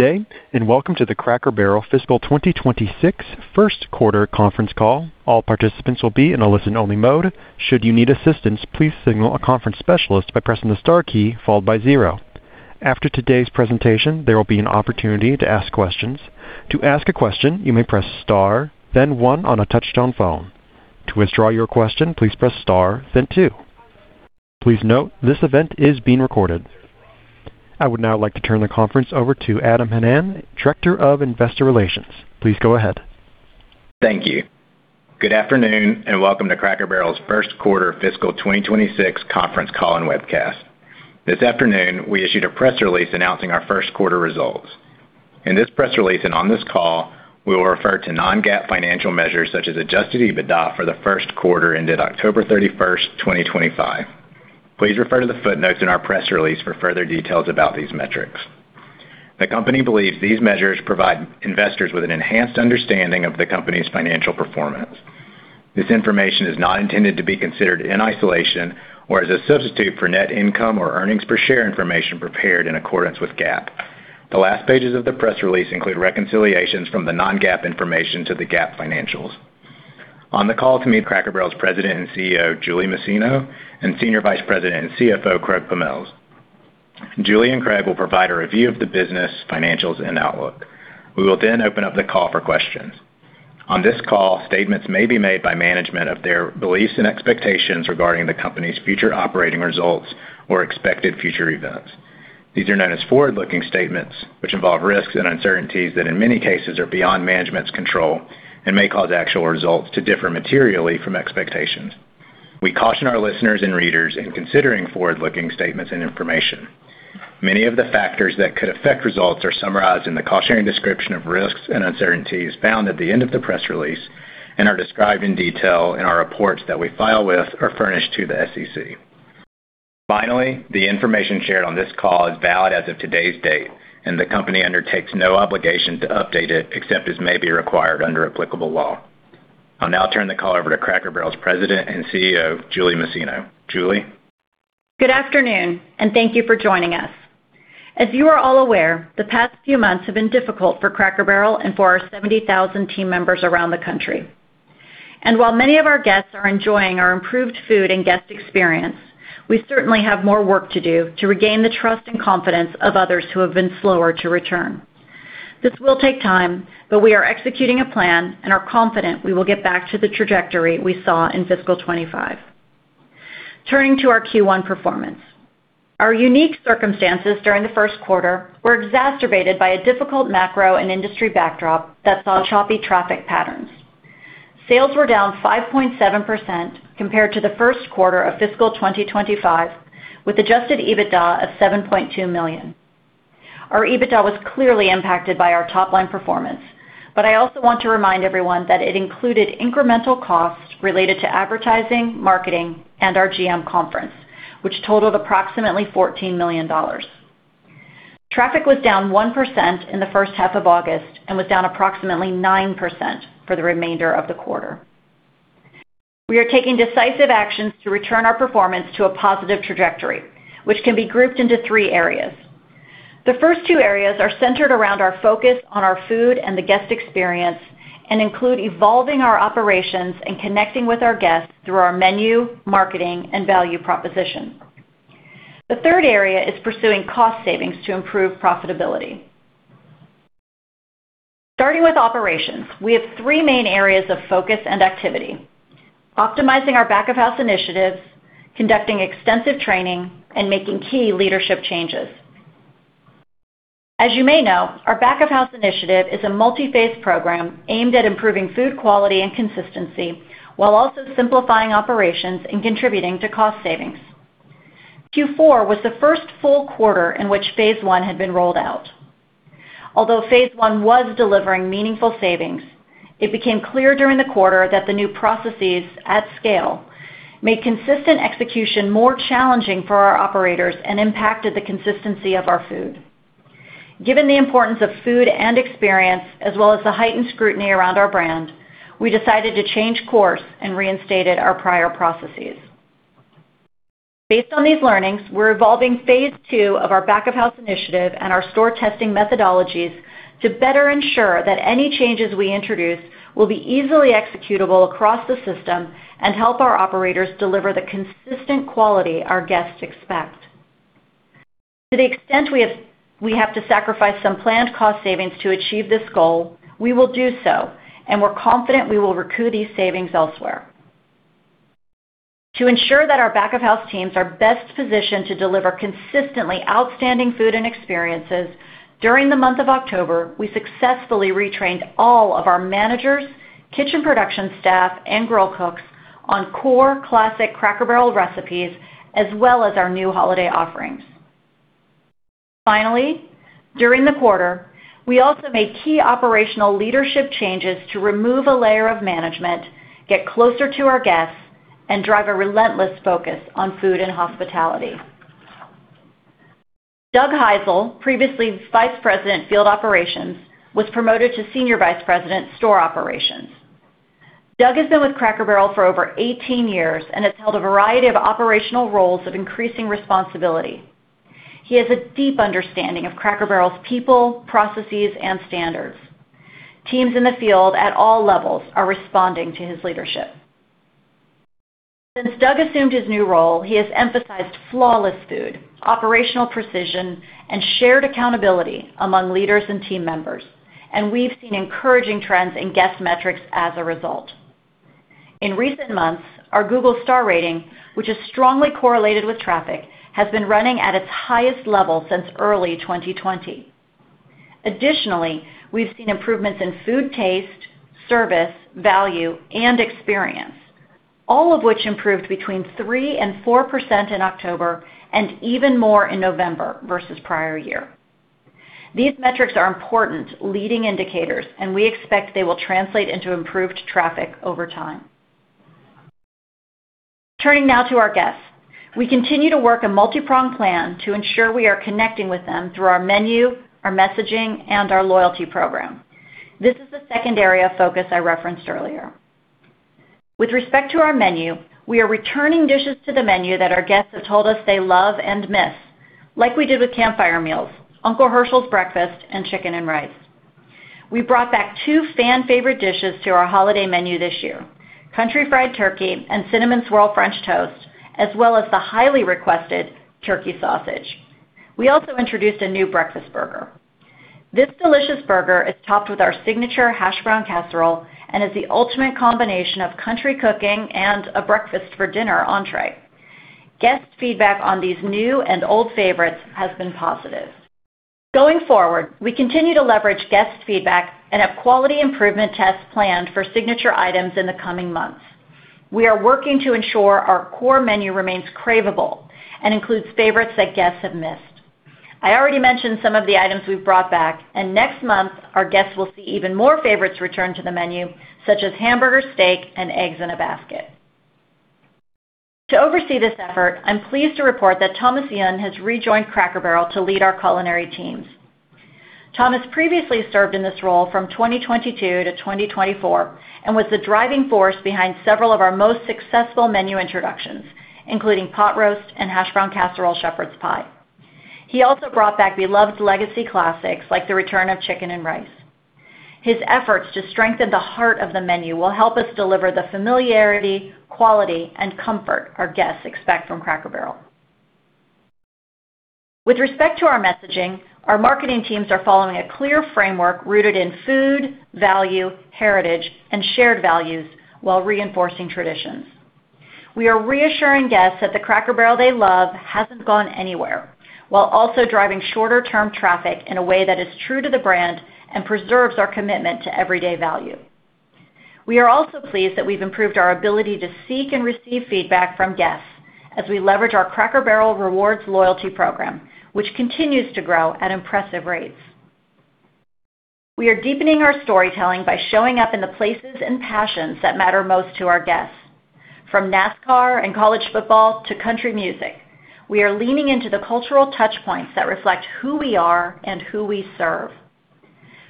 Morning, and welcome to the Cracker Barrel fiscal 2026 first quarter conference call. All participants will be in a listen-only mode. Should you need assistance, please signal a conference specialist by pressing the star key followed by zero. After today's presentation, there will be an opportunity to ask questions. To ask a question, you may press star, then one on a touch-tone phone. To withdraw your question, please press star, then two. Please note, this event is being recorded. I would now like to turn the conference over to Adam Hanan, Director of Investor Relations. Please go ahead. Thank you. Good afternoon and welcome to Cracker Barrel's first quarter fiscal 2026 conference call and Webcast. This afternoon, we issued a press release announcing our first quarter results. In this press release and on this call, we will refer to non-GAAP financial measures such as adjusted EBITDA for the first quarter ended October 31st, 2025. Please refer to the footnotes in our press release for further details about these metrics. The company believes these measures provide investors with an enhanced understanding of the company's financial performance. This information is not intended to be considered in isolation or as a substitute for net income or earnings per share information prepared in accordance with GAAP. The last pages of the press release include reconciliations from the non-GAAP information to the GAAP financials. On the call tonight, Cracker Barrel's President and CEO, Julie Masino, and Senior Vice President and CFO, Craig Pommells. Julie and Craig will provide a review of the business, financials, and outlook. We will then open up the call for questions. On this call, statements may be made by management of their beliefs and expectations regarding the company's future operating results or expected future events. These are known as forward-looking statements, which involve risks and uncertainties that in many cases are beyond management's control and may cause actual results to differ materially from expectations. We caution our listeners and readers in considering forward-looking statements and information. Many of the factors that could affect results are summarized in the cautionary description of risks and uncertainties found at the end of the press release and are described in detail in our reports that we file with or furnish to the SEC. Finally, the information shared on this call is valid as of today's date, and the company undertakes no obligation to update it except as may be required under applicable law. I'll now turn the call over to Cracker Barrel's President and CEO, Julie Masino. Julie. Good afternoon, and thank you for joining us. As you are all aware, the past few months have been difficult for Cracker Barrel and for our 70,000 team members around the country. And while many of our guests are enjoying our improved food and guest experience, we certainly have more work to do to regain the trust and confidence of others who have been slower to return. This will take time, but we are executing a plan and are confident we will get back to the trajectory we saw in fiscal 2025. Turning to our Q1 performance, our unique circumstances during the first quarter were exacerbated by a difficult macro and industry backdrop that saw choppy traffic patterns. Sales were down 5.7% compared to the first quarter of fiscal 2025, with Adjusted EBITDA of $7.2 million. Our EBITDA was clearly impacted by our top-line performance, but I also want to remind everyone that it included incremental costs related to advertising, marketing, and our GM conference, which totaled approximately $14 million. Traffic was down 1% in the first half of August and was down approximately 9% for the remainder of the quarter. We are taking decisive actions to return our performance to a positive trajectory, which can be grouped into three areas. The first two areas are centered around our focus on our food and the guest experience and include evolving our operations and connecting with our guests through our menu, marketing, and value proposition. The third area is pursuing cost savings to improve profitability. Starting with operations, we have three main areas of focus and activity: optimizing our back-of-house initiatives, conducting extensive training, and making key leadership changes. As you may know, our Back-of-House initiative is a multi-phase program aimed at improving food quality and consistency while also simplifying operations and contributing to cost savings. Q4 was the first full quarter in which phase I had been rolled out. Although phase I was delivering meaningful savings, it became clear during the quarter that the new processes at scale made consistent execution more challenging for our operators and impacted the consistency of our food. Given the importance of food and experience, as well as the heightened scrutiny around our brand, we decided to change course and reinstated our prior processes. Based on these learnings, we're evolving phase II of our Back-of-House initiative and our store testing methodologies to better ensure that any changes we introduce will be easily executable across the system and help our operators deliver the consistent quality our guests expect. To the extent we have to sacrifice some planned cost savings to achieve this goal, we will do so, and we're confident we will recoup these savings elsewhere. To ensure that our back-of-house teams are best positioned to deliver consistently outstanding food and experiences during the month of October, we successfully retrained all of our managers, kitchen production staff, and grill cooks on core classic Cracker Barrel recipes, as well as our new holiday offerings. Finally, during the quarter, we also made key operational leadership changes to remove a layer of management, get closer to our guests, and drive a relentless focus on food and hospitality. Doug Hisel, previously Vice President of Field Operations, was promoted to Senior Vice President of Store Operations. Doug has been with Cracker Barrel for over 18 years and has held a variety of operational roles of increasing responsibility. He has a deep understanding of Cracker Barrel's people, processes, and standards. Teams in the field at all levels are responding to his leadership. Since Doug assumed his new role, he has emphasized flawless food, operational precision, and shared accountability among leaders and team members, and we've seen encouraging trends in guest metrics as a result. In recent months, our Google star rating, which is strongly correlated with traffic, has been running at its highest level since early 2020. Additionally, we've seen improvements in food taste, service, value, and experience, all of which improved between 3% and 4% in October and even more in November versus the prior year. These metrics are important leading indicators, and we expect they will translate into improved traffic over time. Turning now to our guests, we continue to work a multi-pronged plan to ensure we are connecting with them through our menu, our messaging, and our loyalty program. This is the second area of focus I referenced earlier. With respect to our menu, we are returning dishes to the menu that our guests have told us they love and miss, like we did with Campfire Meals, Uncle Herschel's Breakfast, and Chicken and Rice. We brought back two fan-favorite dishes to our holiday menu this year: Country Fried Turkey and Cinnamon Swirl French Toast, as well Turkey Sausage. we also introduced a new Breakfast Burger. This delicious burger is topped with our signature Hashbrown Casserole and is the ultimate combination of country cooking and a breakfast for dinner entrée. Guest feedback on these new and old favorites has been positive. Going forward, we continue to leverage guest feedback and have quality improvement tests planned for signature items in the coming months. We are working to ensure our core menu remains craveable and includes favorites that guests have missed. I already mentioned some of the items we've brought back, and next month, our guests will see even more favorites returned to the menu, such as Hamburger Steak and Eggs in a Basket. To oversee this effort, I'm pleased to report that Thomas Yun has rejoined Cracker Barrel to lead our culinary teams. Thomas previously served in this role from 2022 to 2024 and was the driving force behind several of our most successful menu introductions, including Pot Roast and Hashbrown Casserole Shepherd's Pie. He also brought back beloved legacy classics like the return of Chicken and Rice. His efforts to strengthen the heart of the menu will help us deliver the familiarity, quality, and comfort our guests expect from Cracker Barrel. With respect to our messaging, our marketing teams are following a clear framework rooted in food, value, heritage, and shared values while reinforcing traditions. We are reassuring guests that the Cracker Barrel they love hasn't gone anywhere while also driving shorter-term traffic in a way that is true to the brand and preserves our commitment to everyday value. We are also pleased that we've improved our ability to seek and receive feedback from guests as we leverage our Cracker Barrel Rewards Loyalty Program, which continues to grow at impressive rates. We are deepening our storytelling by showing up in the places and passions that matter most to our guests. From NASCAR and College football to country music, we are leaning into the cultural touchpoints that reflect who we are and who we serve.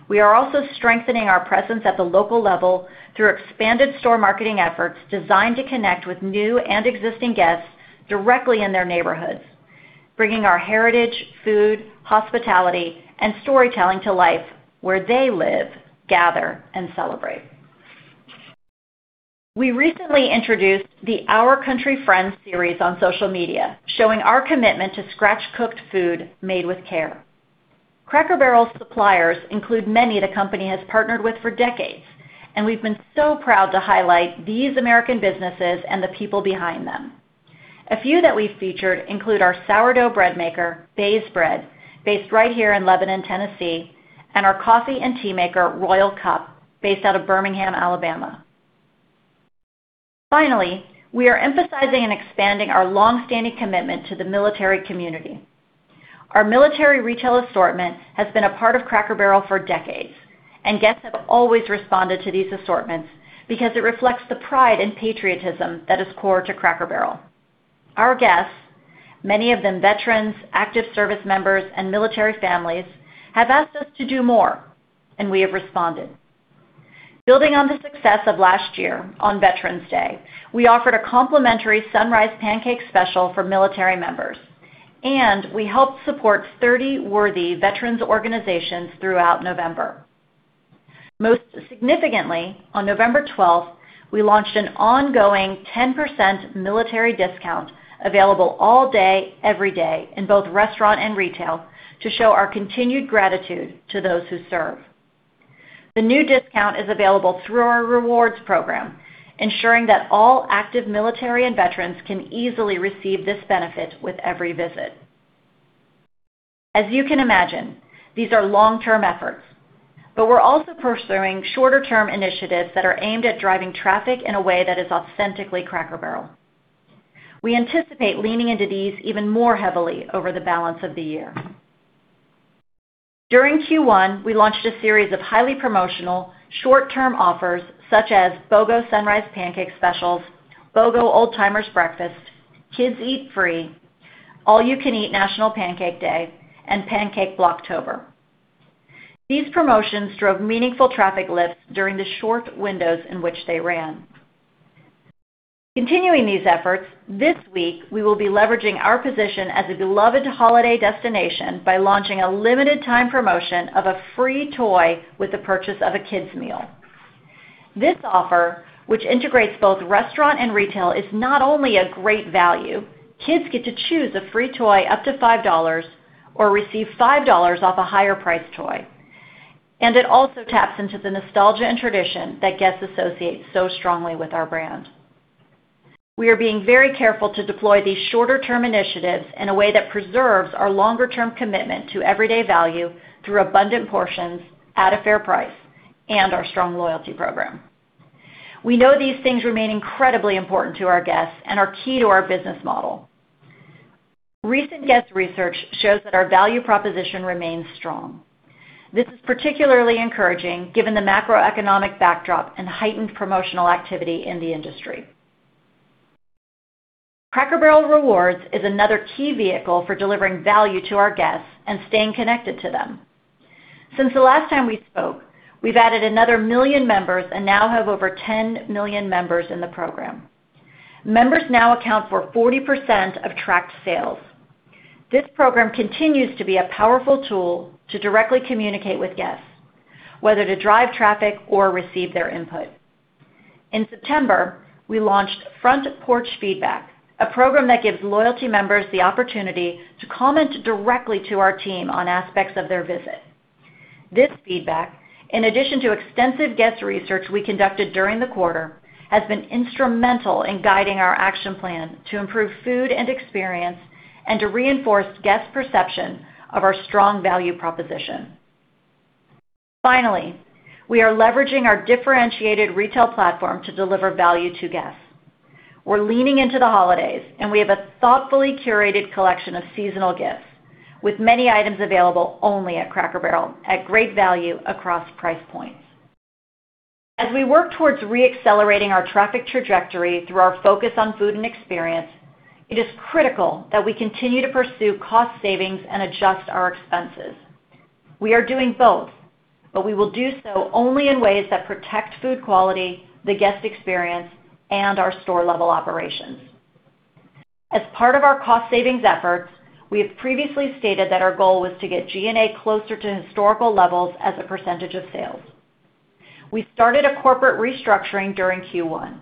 We are also strengthening our presence at the local level through expanded store marketing efforts designed to connect with new and existing guests directly in their neighborhoods, bringing our heritage, food, hospitality, and storytelling to life where they live, gather, and celebrate. We recently introduced the Our Country Friends series on social media, showing our commitment to scratch-cooked food made with care. Cracker Barrel's suppliers include many the company has partnered with for decades, and we've been so proud to highlight these American businesses and the people behind them. A few that we've featured include our sourdough bread maker, Bay's Bread, based right here in Lebanon, Tennessee, and our coffee and tea maker, Royal Cup, based out of Birmingham, Alabama. Finally, we are emphasizing and expanding our longstanding commitment to the military community. Our military retail assortment has been a part of Cracker Barrel for decades, and guests have always responded to these assortments because it reflects the pride and patriotism that is core to Cracker Barrel. Our guests, many of them veterans, active service members, and military families, have asked us to do more, and we have responded. Building on the success of last year on Veterans Day, we offered a complimentary Sunrise Pancake Special for military members, and we helped support 30 worthy veterans' organizations throughout November. Most significantly, on November 12th, we launched an ongoing 10% military discount available all day, every day, in both restaurant and retail to show our continued gratitude to those who serve. The new discount is available through our rewards program, ensuring that all active military and veterans can easily receive this benefit with every visit. As you can imagine, these are long-term efforts, but we're also pursuing shorter-term initiatives that are aimed at driving traffic in a way that is authentically Cracker Barrel. We anticipate leaning into these even more heavily over the balance of the year. During Q1, we launched a series of highly promotional short-term offers such as BOGO Sunrise Pancake Specials, BOGO Old Timer's Breakfast, Kids Eat Free, All You Can Eat National Pancake Day, and Pancake Bloctober. These promotions drove meaningful traffic lifts during the short windows in which they ran. Continuing these efforts, this week, we will be leveraging our position as a beloved holiday destination by launching a limited-time promotion of a free toy with the purchase of a kid's meal. This offer, which integrates both restaurant and retail, is not only a great value. Kids get to choose a free toy up to $5 or receive $5 off a higher-priced toy, and it also taps into the nostalgia and tradition that guests associate so strongly with our brand. We are being very careful to deploy these shorter-term initiatives in a way that preserves our longer-term commitment to everyday value through abundant portions at a fair price and our strong loyalty program. We know these things remain incredibly important to our guests and are key to our business model. Recent guest research shows that our value proposition remains strong. This is particularly encouraging given the macroeconomic backdrop and heightened promotional activity in the industry. Cracker Barrel Rewards is another key vehicle for delivering value to our guests and staying connected to them. Since the last time we spoke, we've added another million members and now have over 10 million members in the program. Members now account for 40% of tracked sales. This program continues to be a powerful tool to directly communicate with guests, whether to drive traffic or receive their input. In September, we launched Front Porch Feedback, a program that gives loyalty members the opportunity to comment directly to our team on aspects of their visit. This feedback, in addition to extensive guest research we conducted during the quarter, has been instrumental in guiding our action plan to improve food and experience and to reinforce guest perception of our strong value proposition. Finally, we are leveraging our differentiated retail platform to deliver value to guests. We're leaning into the holidays, and we have a thoughtfully curated collection of seasonal gifts, with many items available only at Cracker Barrel at great value across price points. As we work towards re-accelerating our traffic trajectory through our focus on food and experience, it is critical that we continue to pursue cost savings and adjust our expenses. We are doing both, but we will do so only in ways that protect food quality, the guest experience, and our store-level operations. As part of our cost savings efforts, we have previously stated that our goal was to get G&A closer to historical levels as a percentage of sales. We started a corporate restructuring during Q1.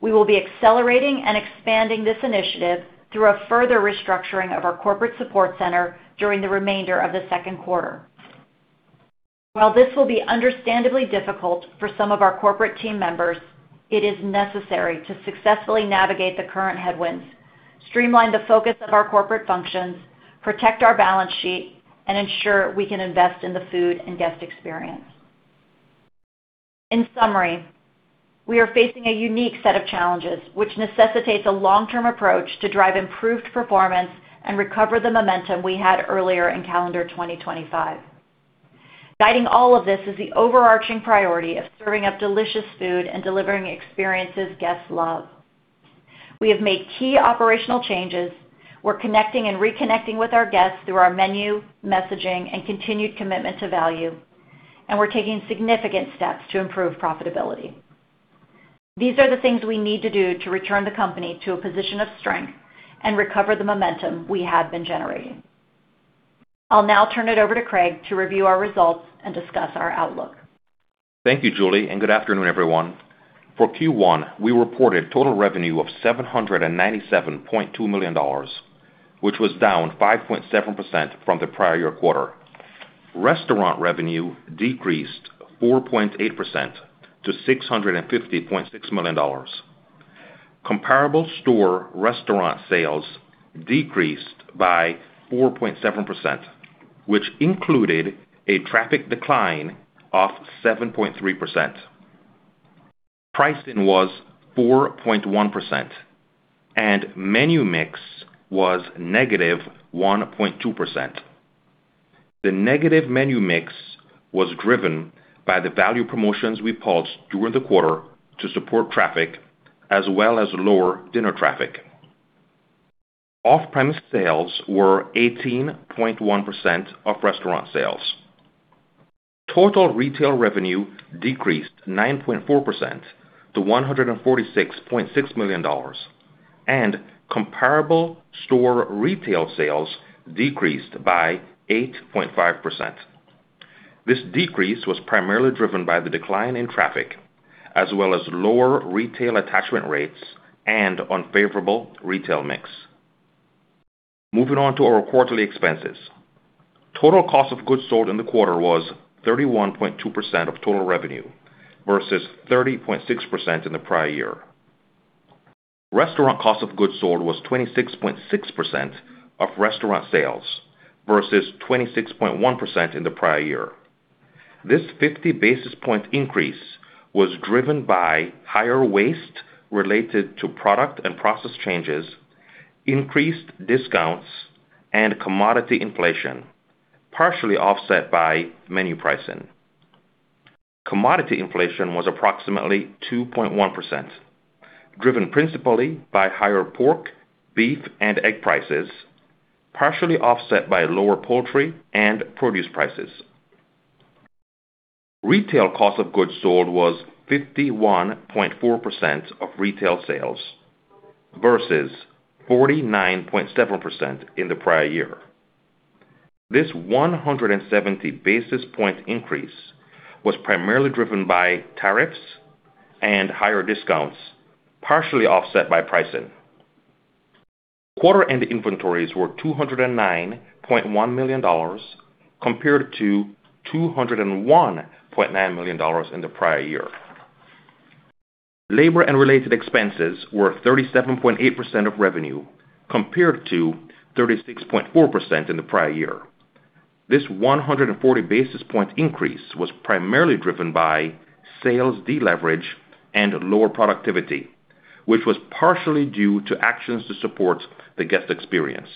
We will be accelerating and expanding this initiative through a further restructuring of our corporate support center during the remainder of the second quarter. While this will be understandably difficult for some of our corporate team members, it is necessary to successfully navigate the current headwinds, streamline the focus of our corporate functions, protect our balance sheet, and ensure we can invest in the food and guest experience. In summary, we are facing a unique set of challenges, which necessitates a long-term approach to drive improved performance and recover the momentum we had earlier in calendar 2025. Guiding all of this is the overarching priority of serving up delicious food and delivering experiences guests love. We have made key operational changes. We're connecting and reconnecting with our guests through our menu, messaging, and continued commitment to value, and we're taking significant steps to improve profitability. These are the things we need to do to return the company to a position of strength and recover the momentum we have been generating. I'll now turn it over to Craig to review our results and discuss our outlook. Thank you, Julie, and good afternoon, everyone. For Q1, we reported total revenue of $797.2 million, which was down 5.7% from the prior year quarter. Restaurant revenue decreased 4.8% to $650.6 million. Comparable store restaurant sales decreased by 4.7%, which included a traffic decline of 7.3%. Pricing was 4.1%, and menu mix was -1.2%. The negative menu mix was driven by the value promotions we pulled during the quarter to support traffic, as well as lower dinner traffic. Off-premise sales were 18.1% of restaurant sales. Total retail revenue decreased 9.4% to $146.6 million, and comparable store retail sales decreased by 8.5%. This decrease was primarily driven by the decline in traffic, as well as lower retail attachment rates and unfavorable retail mix. Moving on to our quarterly expenses. Total cost of goods sold in the quarter was 31.2% of total revenue versus 30.6% in the prior year. Restaurant cost of goods sold was 26.6% of restaurant sales versus 26.1% in the prior year. This 50 basis point increase was driven by higher waste related to product and process changes, increased discounts, and commodity inflation, partially offset by menu pricing. Commodity inflation was approximately 2.1%, driven principally by higher pork, beef, and egg prices, partially offset by lower poultry and produce prices. Retail cost of goods sold was 51.4% of retail sales versus 49.7% in the prior year. This 170 basis point increase was primarily driven by tariffs and higher discounts, partially offset by pricing. Quarter-end inventories were $209.1 million compared to $201.9 million in the prior year. Labor and related expenses were 37.8% of revenue compared to 36.4% in the prior year. This 140 basis point increase was primarily driven by sales deleverage and lower productivity, which was partially due to actions to support the guest experience.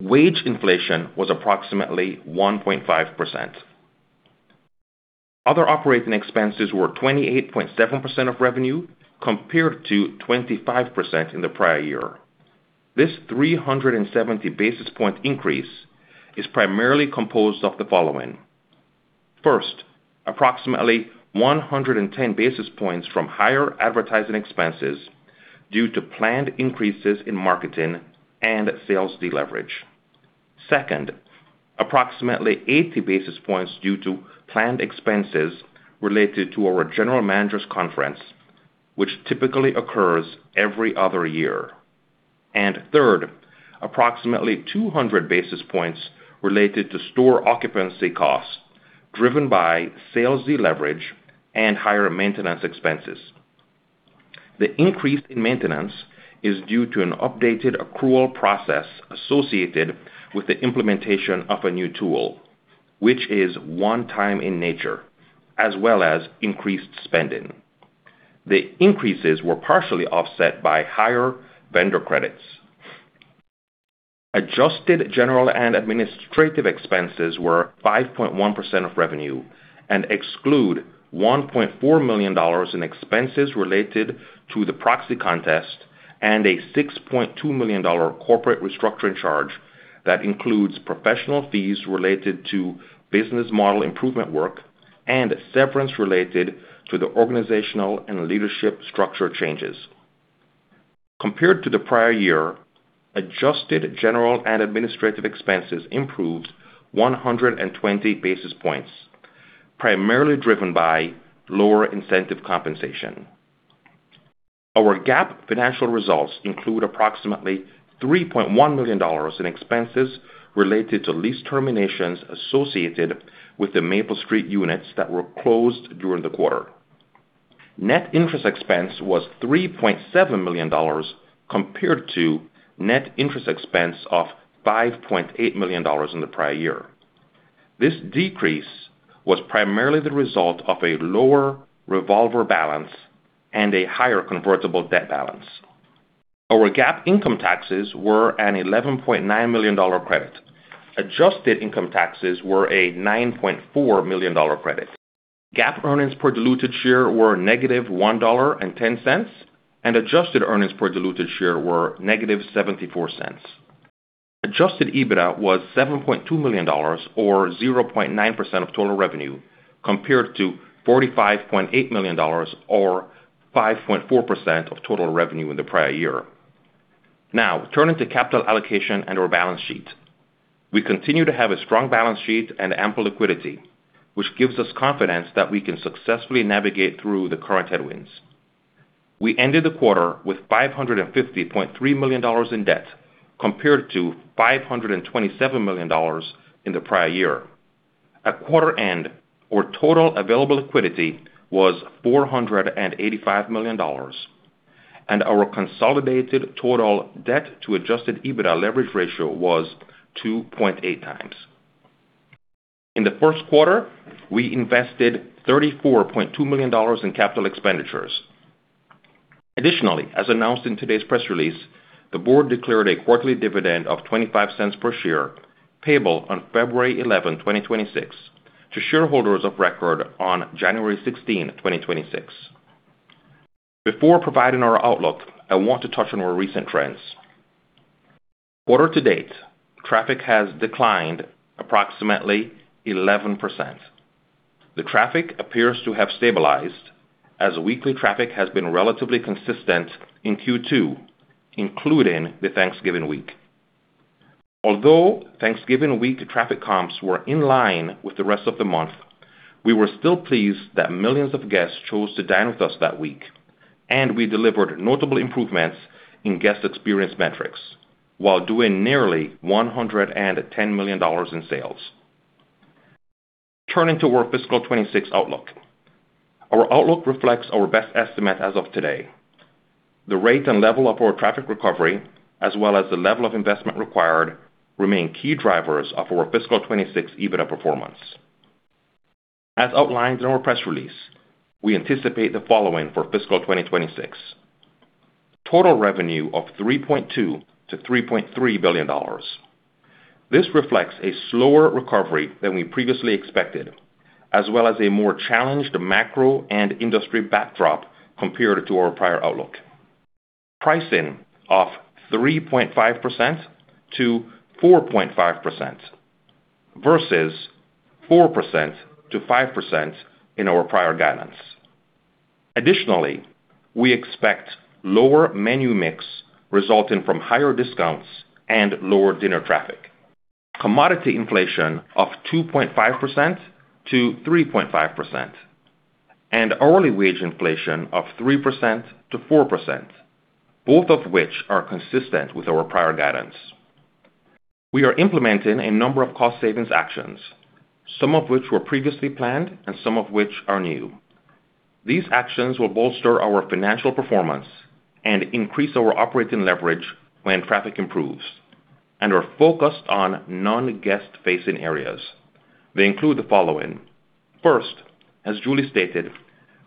Wage inflation was approximately 1.5%. Other operating expenses were 28.7% of revenue compared to 25% in the prior year. This 370 basis point increase is primarily composed of the following. First, approximately 110 basis points from higher advertising expenses due to planned increases in marketing and sales deleverage. Second, approximately 80 basis points due to planned expenses related to our general manager's conference, which typically occurs every other year. And third, approximately 200 basis points related to store occupancy costs driven by sales deleverage and higher maintenance expenses. The increase in maintenance is due to an updated accrual process associated with the implementation of a new tool, which is one-time in nature, as well as increased spending. The increases were partially offset by higher vendor credits. Adjusted General and Administrative Expenses were 5.1% of revenue and exclude $1.4 million in expenses related to the proxy contest and a $6.2 million corporate restructuring charge that includes professional fees related to business model improvement work and severance related to the organizational and leadership structure changes. Compared to the prior year, Adjusted General and Administrative Expenses improved 120 basis points, primarily driven by lower incentive compensation. Our GAAP financial results include approximately $3.1 million in expenses related to lease terminations associated with the Maple Street units that were closed during the quarter. Net Interest Expense was $3.7 million compared to Net Interest Expense of $5.8 million in the prior year. This decrease was primarily the result of a lower revolver balance and a higher convertible debt balance. Our GAAP income taxes were an $11.9 million credit. Adjusted income taxes were a $9.4 million credit. GAAP earnings per diluted share were -`$1.10, and adjusted earnings per diluted share were -$0.74. Adjusted EBITDA was $7.2 million or 0.9% of total revenue compared to $45.8 million or 5.4% of total revenue in the prior year. Now, turning to capital allocation and our balance sheet. We continue to have a strong balance sheet and ample liquidity, which gives us confidence that we can successfully navigate through the current headwinds. We ended the quarter with $550.3 million in debt compared to $527 million in the prior year. At quarter end, our total available liquidity was $485 million, and our consolidated total debt to Adjusted EBITDA leverage ratio was 2.8 times. In the first quarter, we invested $34.2 million in capital expenditures. Additionally, as announced in today's press release, the board declared a quarterly dividend of $0.25 per share payable on February 11th, 2026, to shareholders of record on January 16th, 2026. Before providing our outlook, I want to touch on our recent trends. Quarter to date, traffic has declined approximately 11%. The traffic appears to have stabilized as weekly traffic has been relatively consistent in Q2, including the Thanksgiving week. Although Thanksgiving week traffic comps were in line with the rest of the month, we were still pleased that millions of guests chose to dine with us that week, and we delivered notable improvements in guest experience metrics while doing nearly $110 million in sales. Turning to our fiscal 26 outlook, our outlook reflects our best estimate as of today. The rate and level of our traffic recovery, as well as the level of investment required, remain key drivers of our fiscal 2026 EBITDA performance. As outlined in our press release, we anticipate the following for fiscal 2026: total revenue of $3.2 billion-$3.3 billion. This reflects a slower recovery than we previously expected, as well as a more challenged macro and industry backdrop compared to our prior outlook. Pricing of 3.5%-4.5% versus 4%-5% in our prior guidance. Additionally, we expect lower menu mix resulting from higher discounts and lower dinner traffic. Commodity inflation of 2.5%-3.5%, and hourly wage inflation of 3%-4%, both of which are consistent with our prior guidance. We are implementing a number of cost savings actions, some of which were previously planned and some of which are new. These actions will bolster our financial performance and increase our operating leverage when traffic improves, and are focused on non-guest-facing areas. They include the following: first, as Julie stated,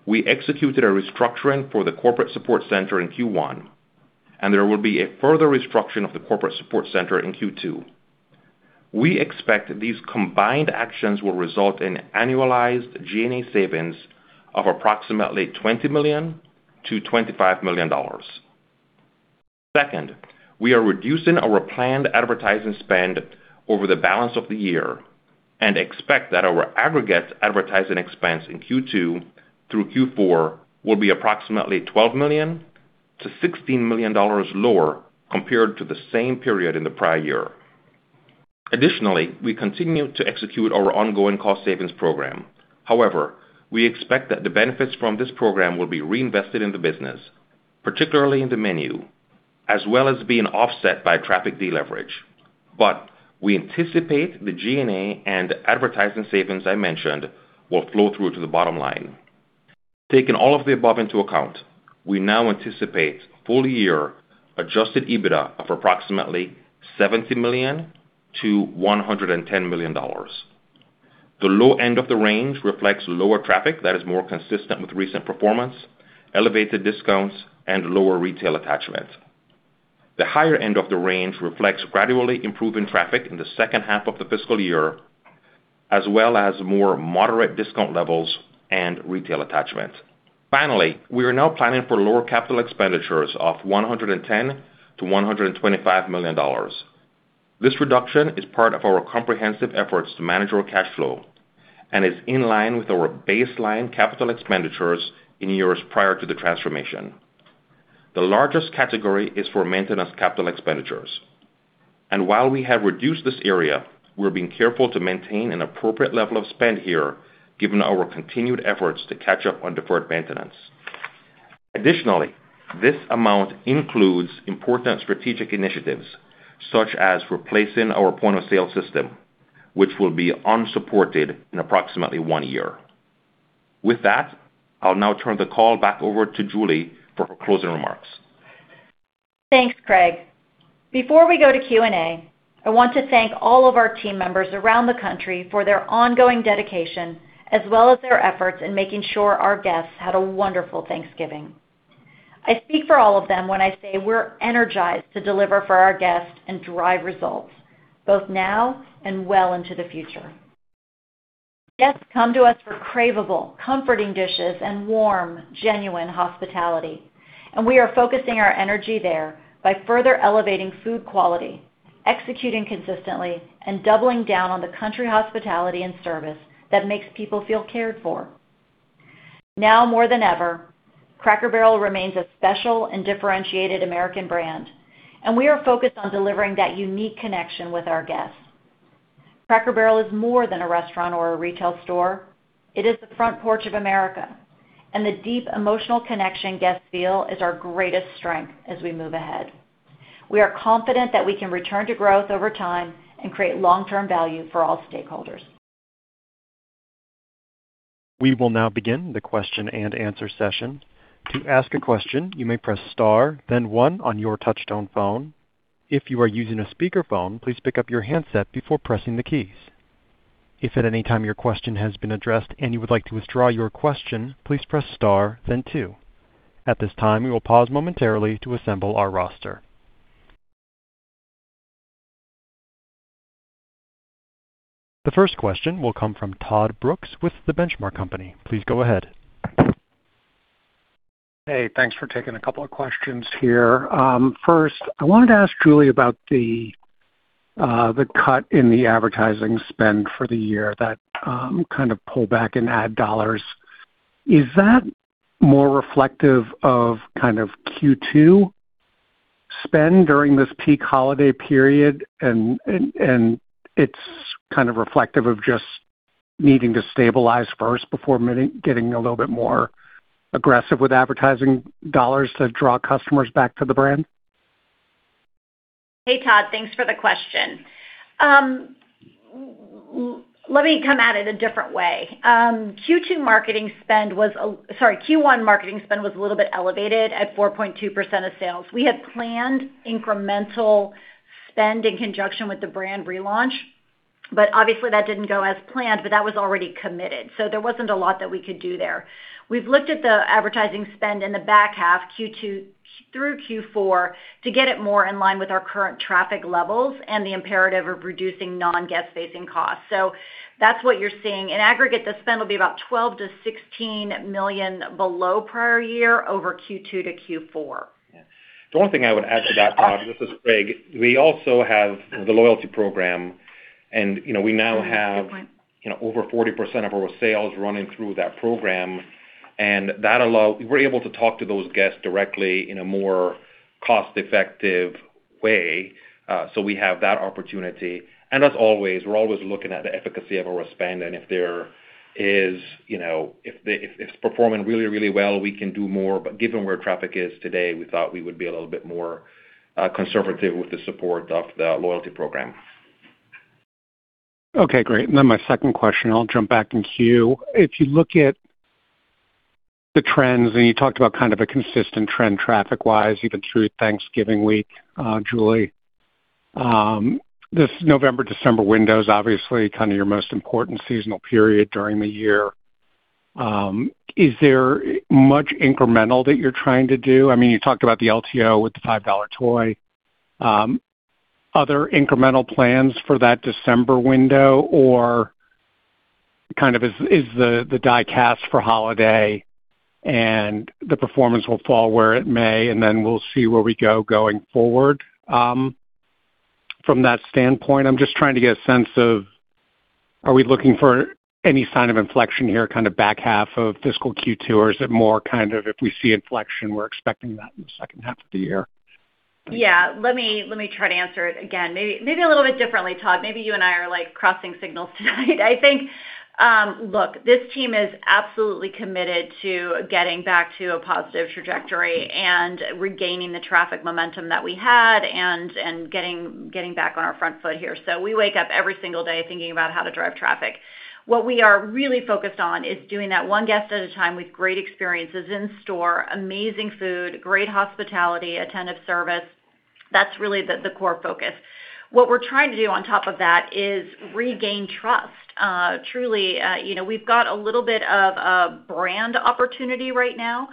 we executed a restructuring for the corporate support center in Q1, and there will be a further restructuring of the corporate support center in Q2. We expect these combined actions will result in annualized G&A savings of approximately $20 million-$25 million. Second, we are reducing our planned advertising spend over the balance of the year and expect that our aggregate advertising expense in Q2 through Q4 will be approximately $12 million-$16 million lower compared to the same period in the prior year. Additionally, we continue to execute our ongoing cost savings program. However, we expect that the benefits from this program will be reinvested in the business, particularly in the menu, as well as being offset by traffic deleverage. But we anticipate the G&A and advertising savings I mentioned will flow through to the bottom line. Taking all of the above into account, we now anticipate full-year Adjusted EBITDA of approximately $70 million-$110 million. The low end of the range reflects lower traffic that is more consistent with recent performance, elevated discounts, and lower retail attachment. The higher end of the range reflects gradually improving traffic in the second half of the fiscal year, as well as more moderate discount levels and retail attachment. Finally, we are now planning for lower capital expenditures of $110 million-$125 million. This reduction is part of our comprehensive efforts to manage our cash flow and is in line with our baseline capital expenditures in years prior to the transformation. The largest category is for maintenance capital expenditures, and while we have reduced this area, we're being careful to maintain an appropriate level of spend here given our continued efforts to catch up on deferred maintenance. Additionally, this amount includes important strategic initiatives such as replacing our point-of-sale system, which will be unsupported in approximately one year. With that, I'll now turn the call back over to Julie for her closing remarks. Thanks, Craig. Before we go to Q&A, I want to thank all of our team members around the country for their ongoing dedication, as well as their efforts in making sure our guests had a wonderful Thanksgiving. I speak for all of them when I say we're energized to deliver for our guests and drive results, both now and well into the future. Guests come to us for craveable, comforting dishes and warm, genuine hospitality. And we are focusing our energy there by further elevating food quality, executing consistently, and doubling down on the country hospitality and service that makes people feel cared for. Now more than ever, Cracker Barrel remains a special and differentiated American brand, and we are focused on delivering that unique connection with our guests. Cracker Barrel is more than a restaurant or a retail store. It is the front porch of America, and the deep emotional connection guests feel is our greatest strength as we move ahead. We are confident that we can return to growth over time and create long-term value for all stakeholders. We will now begin the question and answer session. To ask a question, you may press star, then one on your touch-tone phone. If you are using a speakerphone, please pick up your handset before pressing the keys. If at any time your question has been addressed and you would like to withdraw your question, please press star, then two. At this time, we will pause momentarily to assemble our roster. The first question will come from Todd Brooks with the Benchmark Company. Please go ahead. Hey, thanks for taking a couple of questions here. First, I wanted to ask Julie about the cut in the advertising spend for the year that kind of pullback in ad dollars. Is that more reflective of kind of Q2 spend during this peak holiday period, and it's kind of reflective of just needing to stabilize first before getting a little bit more aggressive with advertising dollars to draw customers back to the brand? Hey, Todd, thanks for the question. Let me come at it a different way. Q2 marketing spend was. Sorry, Q1 marketing spend was a little bit elevated at 4.2% of sales. We had planned incremental spend in conjunction with the brand relaunch, but obviously that didn't go as planned, but that was already committed. So there wasn't a lot that we could do there. We've looked at the advertising spend in the back half, Q2 through Q4, to get it more in line with our current traffic levels and the imperative of reducing non-guest-facing costs. So that's what you're seeing. In aggregate, the spend will be about $12 million-$16 million below prior year over Q2 to Q4. The only thing I would add to that, Todd, this is Craig. We also have the loyalty program, and we now have over 40% of our sales running through that program. And we're able to talk to those guests directly in a more cost-effective way. So we have that opportunity. And as always, we're always looking at the efficacy of our spend, and if there is—if it's performing really, really well, we can do more. But given where traffic is today, we thought we would be a little bit more conservative with the support of the loyalty program. Okay, great. And then my second question, I'll jump back in queue. If you look at the trends, and you talked about kind of a consistent trend traffic-wise, even through Thanksgiving week, Julie, this November-December window is obviously kind of your most important seasonal period during the year. Is there much incremental that you're trying to do? I mean, you talked about the LTO with the $5 toy. Other incremental plans for that December window, or kind of is the die-cast for holiday, and the performance will fall where it may, and then we'll see where we go going forward from that standpoint? I'm just trying to get a sense of, are we looking for any sign of inflection here kind of back half of fiscal Q2, or is it more kind of if we see inflection, we're expecting that in the second half of the year? Yeah, let me try to answer it again. Maybe a little bit differently, Todd. Maybe you and I are crossing signals tonight. I think, look, this team is absolutely committed to getting back to a positive trajectory and regaining the traffic momentum that we had and getting back on our front foot here. So we wake up every single day thinking about how to drive traffic. What we are really focused on is doing that one guest at a time with great experiences in-store, amazing food, great hospitality, attentive service. That's really the core focus. What we're trying to do on top of that is regain trust. Truly, we've got a little bit of a brand opportunity right now.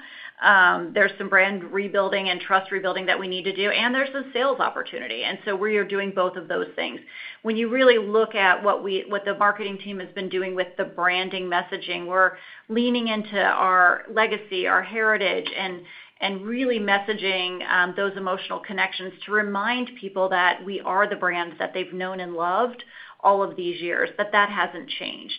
There's some brand rebuilding and trust rebuilding that we need to do, and there's a sales opportunity. And so we are doing both of those things. When you really look at what the marketing team has been doing with the branding messaging, we're leaning into our legacy, our heritage, and really messaging those emotional connections to remind people that we are the brands that they've known and loved all of these years, that that hasn't changed.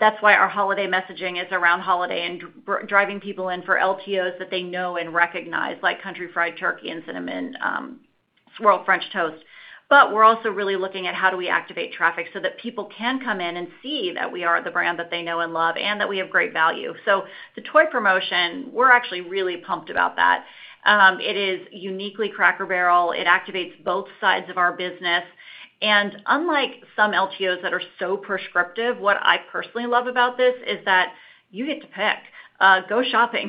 That's why our holiday messaging is around holiday and driving people in for LTOs that they know and recognize, like Country Fried Turkey and Cinnamon Swirl French Toast. But we're also really looking at how do we activate traffic so that people can come in and see that we are the brand that they know and love and that we have great value. The toy promotion, we're actually really pumped about that. It is uniquely Cracker Barrel. It activates both sides of our business. And unlike some LTOs that are so prescriptive, what I personally love about this is that you get to pick. Go shopping.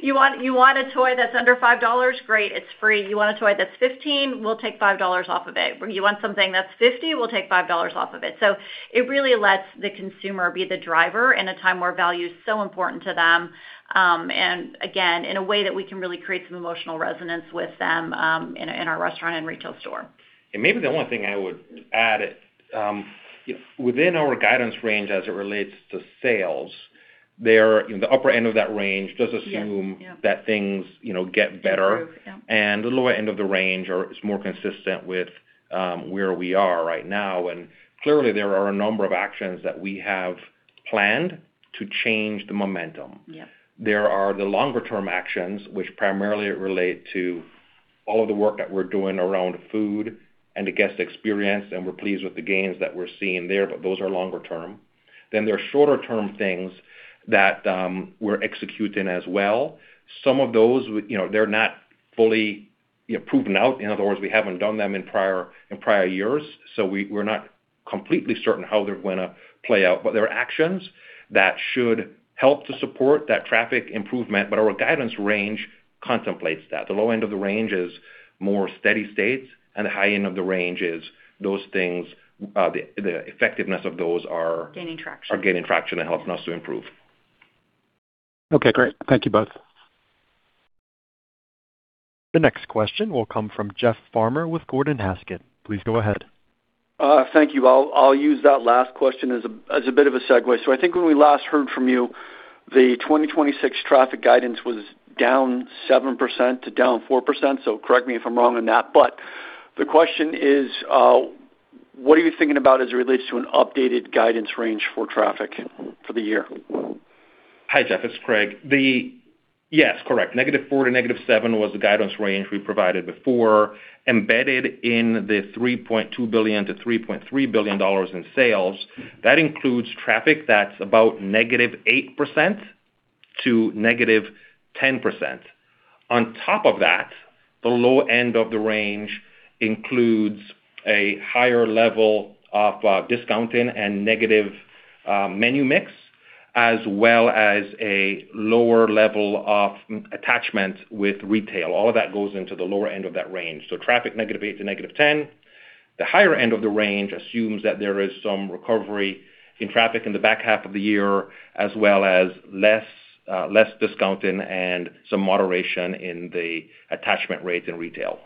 You want a toy that's under $5? Great, it's free. You want a toy that's $15? We'll take $5 off of it. You want something that's $50? We'll take $5 off of it. So it really lets the consumer be the driver in a time where value is so important to them. And again, in a way that we can really create some emotional resonance with them in our restaurant and retail store. And maybe the only thing I would add, within our guidance range as it relates to sales, the upper end of that range does assume that things get better. And the lower end of the range is more consistent with where we are right now. Clearly, there are a number of actions that we have planned to change the momentum. There are the longer-term actions, which primarily relate to all of the work that we're doing around food and the guest experience, and we're pleased with the gains that we're seeing there, but those are longer-term. Then there are shorter-term things that we're executing as well. Some of those, they're not fully proven out. In other words, we haven't done them in prior years, so we're not completely certain how they're going to play out. But there are actions that should help to support that traffic improvement, but our guidance range contemplates that. The low end of the range is more steady states, and the high end of the range is those things, the effectiveness of those are gaining traction and helping us to improve. Okay, great. Thank you both. The next question will come from Jeff Farmer with Gordon Haskett. Please go ahead. Thank you. I'll use that last question as a bit of a segue. So I think when we last heard from you, the 2026 traffic guidance was down 7% to down 4%. So correct me if I'm wrong on that. But the question is, what are you thinking about as it relates to an updated guidance range for traffic for the year? Hi, Jeff. It's Craig. Yes, correct. -4% to -7% was the guidance range we provided before, embedded in the $3.2 billion-$3.3 billion in sales. That includes traffic that's about -8% to -10%. On top of that, the low end of the range includes a higher level of discounting and negative menu mix, as well as a lower level of attachment with retail. All of that goes into the lower end of that range. So traffic -8% to -10%. The higher end of the range assumes that there is some recovery in traffic in the back half of the year, as well as less discounting and some moderation in the attachment rates in retail.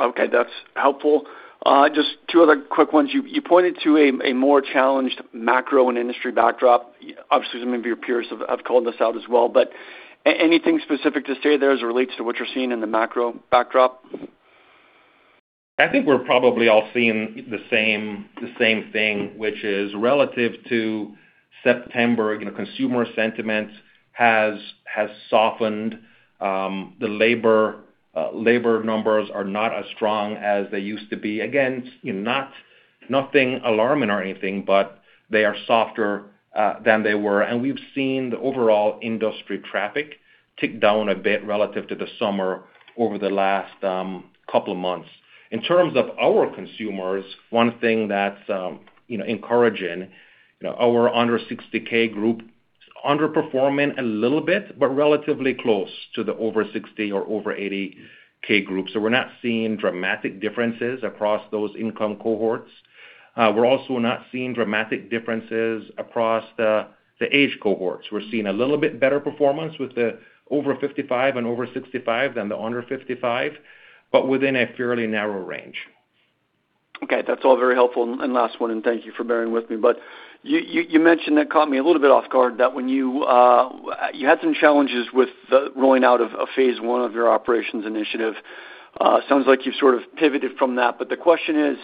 Okay, that's helpful. Just two other quick ones. You pointed to a more challenged macro and industry backdrop. Obviously, some of your peers have called this out as well. But anything specific to say there as it relates to what you're seeing in the macro backdrop? I think we're probably all seeing the same thing, which is relative to September, consumer sentiment has softened. The labor numbers are not as strong as they used to be. Again, nothing alarming or anything, but they are softer than they were. And we've seen the overall industry traffic tick down a bit relative to the summer over the last couple of months. In terms of our consumers, one thing that's encouraging, our under-60K group is underperforming a little bit, but relatively close to the over-60 or over-80K group. So we're not seeing dramatic differences across those income cohorts. We're also not seeing dramatic differences across the age cohorts. We're seeing a little bit better performance with the over-55 and over-65 than the under-55, but within a fairly narrow range. Okay, that's all very helpful. And last one, and thank you for bearing with me. But you mentioned that caught me a little bit off guard, that when you had some challenges with the rolling out of phase I of your operations initiative. Sounds like you've sort of pivoted from that. But the question is,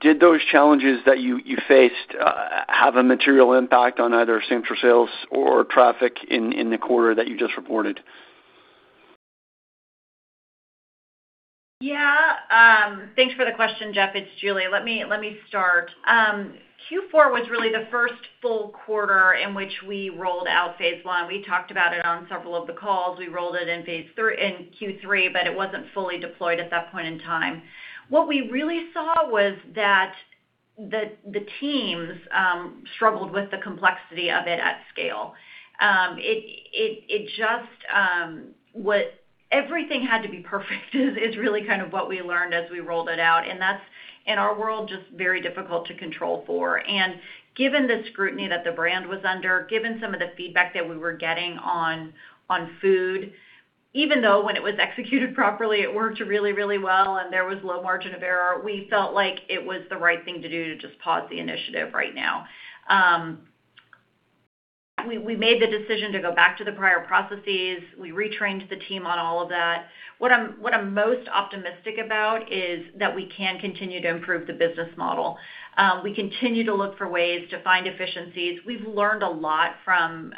did those challenges that you faced have a material impact on either same-store sales or traffic in the quarter that you just reported? Yeah. Thanks for the question, Jeff. It's Julie. Let me start. Q4 was really the first full quarter in which we rolled out phase I. We talked about it on several of the calls. We rolled it in Q3, but it wasn't fully deployed at that point in time. What we really saw was that the teams struggled with the complexity of it at scale. Everything had to be perfect, is really kind of what we learned as we rolled it out. And that's, in our world, just very difficult to control for. Given the scrutiny that the brand was under, given some of the feedback that we were getting on food, even though when it was executed properly, it worked really, really well, and there was low margin of error, we felt like it was the right thing to do to just pause the initiative right now. We made the decision to go back to the prior processes. We retrained the team on all of that. What I'm most optimistic about is that we can continue to improve the business model. We continue to look for ways to find efficiencies. We've learned a lot from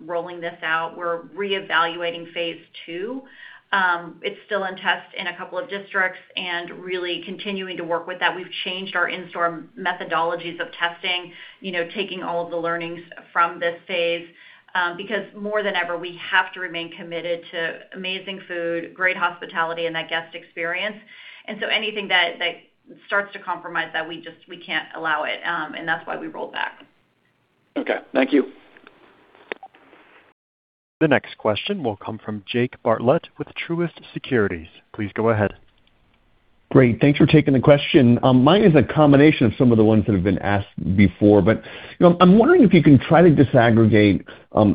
rolling this out. We're reevaluating phase II. It's still in test in a couple of districts and really continuing to work with that. We've changed our in-store methodologies of testing, taking all of the learnings from this phase. Because more than ever, we have to remain committed to amazing food, great hospitality, and that guest experience. And so anything that starts to compromise that, we can't allow it. And that's why we rolled back. Okay. Thank you. The next question will come from Jake Bartlett with Truist Securities. Please go ahead. Great. Thanks for taking the question. Mine is a combination of some of the ones that have been asked before, but I'm wondering if you can try to disaggregate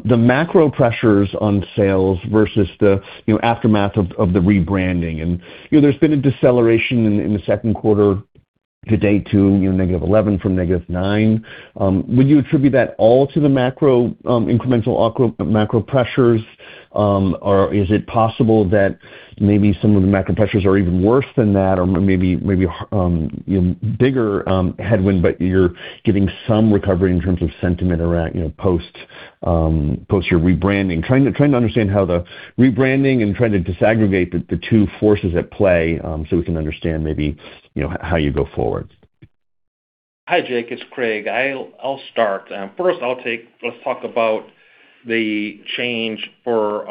the macro pressures on sales versus the aftermath of the rebranding. And there's been a deceleration in the second quarter today to -11% from -9%. Would you attribute that all to the macro incremental macro pressures, or is it possible that maybe some of the macro pressures are even worse than that, or maybe bigger headwind, but you're getting some recovery in terms of sentiment post your rebranding? Trying to understand how the rebranding and trying to disaggregate the two forces at play so we can understand maybe how you go forward. Hi, Jake. It's Craig. I'll start. First, let's talk about the change for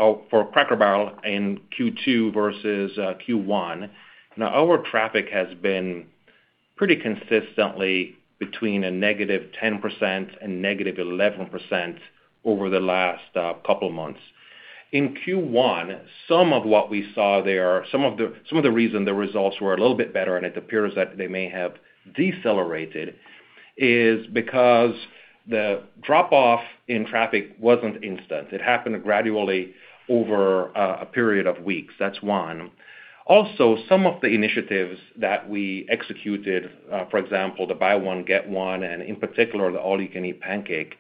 Cracker Barrel in Q2 versus Q1. Now, our traffic has been pretty consistently between a -10% and -11% over the last couple of months. In Q1, some of what we saw there, some of the reason the results were a little bit better, and it appears that they may have decelerated, is because the drop-off in traffic wasn't instant. It happened gradually over a period of weeks. That's one. Also, some of the initiatives that we executed, for example, the Buy One, Get One, and in particular, the All You Can Eat pancake,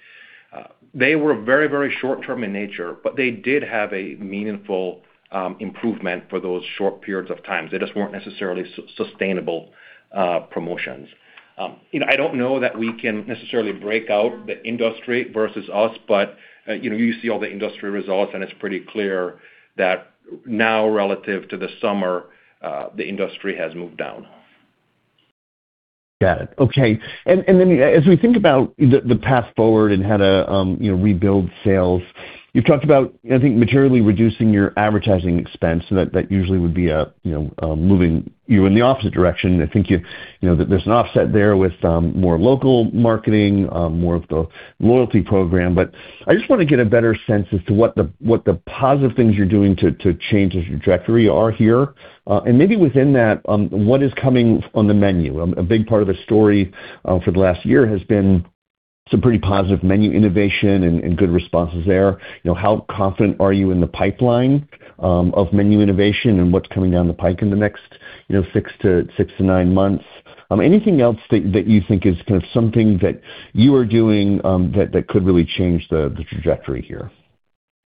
they were very, very short-term in nature, but they did have a meaningful improvement for those short periods of time. They just weren't necessarily sustainable promotions. I don't know that we can necessarily break out the industry versus us, but you see all the industry results, and it's pretty clear that now, relative to the summer, the industry has moved down. Got it. Okay. And then as we think about the path forward and how to rebuild sales, you've talked about, I think, materially reducing your advertising expense. That usually would be a moving you in the opposite direction. I think there's an offset there with more local marketing, more of the loyalty program. But I just want to get a better sense as to what the positive things you're doing to change the trajectory are here. And maybe within that, what is coming on the menu? A big part of the story for the last year has been some pretty positive menu innovation and good responses there. How confident are you in the pipeline of menu innovation and what's coming down the pike in the next six to nine months? Anything else that you think is kind of something that you are doing that could really change the trajectory here?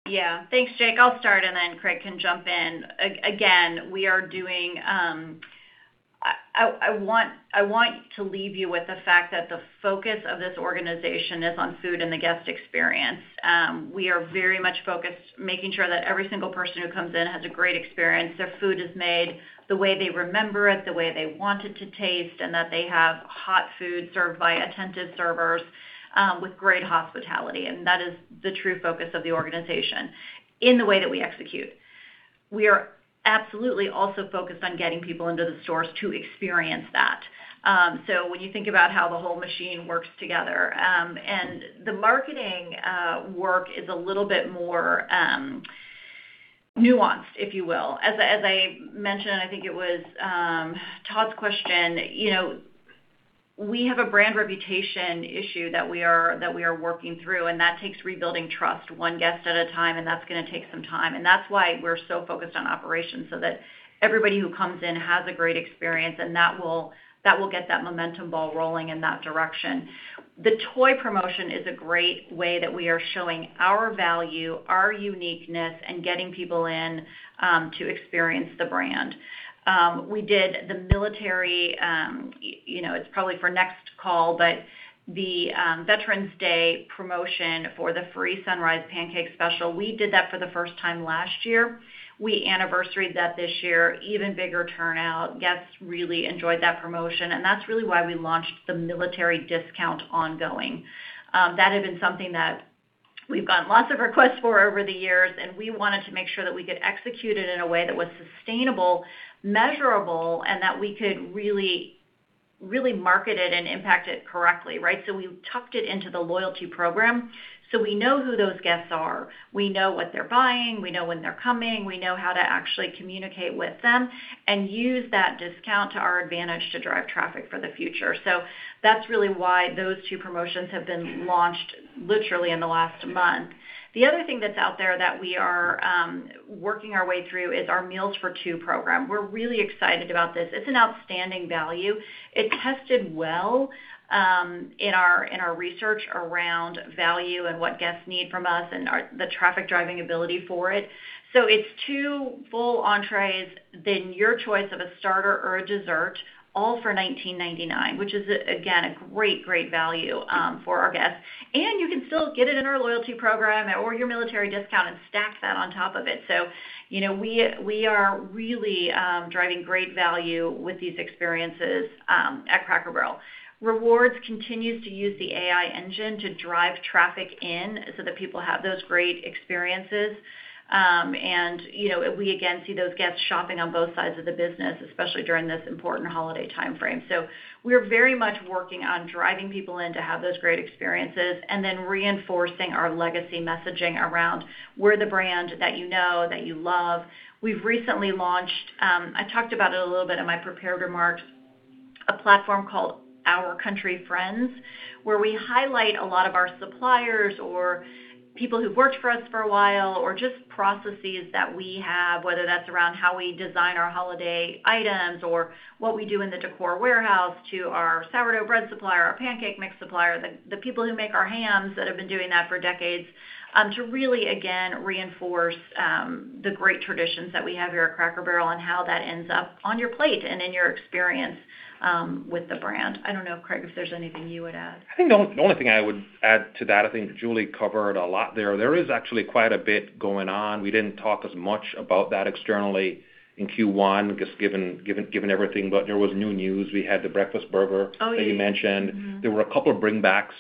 Yeah. Thanks, Jake. I'll start, and then Craig can jump in. Again, we are doing. I want to leave you with the fact that the focus of this organization is on food and the guest experience. We are very much focused on making sure that every single person who comes in has a great experience. Their food is made the way they remember it, the way they want it to taste, and that they have hot food served by attentive servers with great hospitality, and that is the true focus of the organization in the way that we execute. We are absolutely also focused on getting people into the stores to experience that, so when you think about how the whole machine works together, and the marketing work is a little bit more nuanced, if you will. As I mentioned, I think it was Todd's question, we have a brand reputation issue that we are working through, and that takes rebuilding trust one guest at a time, and that's going to take some time. And that's why we're so focused on operations, so that everybody who comes in has a great experience, and that will get that momentum ball rolling in that direction. The toy promotion is a great way that we are showing our value, our uniqueness, and getting people in to experience the brand. We did the military, it's probably for next call, but the Veterans Day promotion for the free Sunrise Pancake Special. We did that for the first time last year. We anniversaried that this year. Even bigger turnout. Guests really enjoyed that promotion. And that's really why we launched the military discount ongoing. That had been something that we've gotten lots of requests for over the years, and we wanted to make sure that we could execute it in a way that was sustainable, measurable, and that we could really market it and impact it correctly, right? So we tucked it into the loyalty program. So we know who those guests are. We know what they're buying. We know when they're coming. We know how to actually communicate with them and use that discount to our advantage to drive traffic for the future. So that's really why those two promotions have been launched literally in the last month. The other thing that's out there that we are working our way through is our Meals for Two program. We're really excited about this. It's an outstanding value. It's tested well in our research around value and what guests need from us and the traffic driving ability for it. So it's two full entrees, then your choice of a starter or a dessert, all for $19.99, which is, again, a great, great value for our guests. And you can still get it in our loyalty program or your military discount and stack that on top of it. So we are really driving great value with these experiences at Cracker Barrel. Rewards continues to use the AI engine to drive traffic in so that people have those great experiences. And we, again, see those guests shopping on both sides of the business, especially during this important holiday timeframe. So we're very much working on driving people in to have those great experiences and then reinforcing our legacy messaging around, we're the brand that you know, that you love. We've recently launched, I talked about it a little bit in my prepared remarks, a platform called Our Country Friends, where we highlight a lot of our suppliers or people who've worked for us for a while or just processes that we have, whether that's around how we design our holiday items or what we do in the decor warehouse to our sourdough bread supplier, our pancake mix supplier, the people who make our hams that have been doing that for decades to really, again, reinforce the great traditions that we have here at Cracker Barrel and how that ends up on your plate and in your experience with the brand. I don't know, Craig, if there's anything you would add. I think the only thing I would add to that, I think Julie covered a lot there. There is actually quite a bit going on. We didn't talk as much about that externally in Q1, just given everything. But there was new news. We had the Breakfast Burger that you mentioned. There were a couple of bring-backs